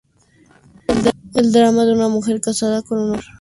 El drama de una mujer, casada con un hombre mayor, que tiene un amante.